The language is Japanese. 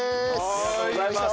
ありがとうございます。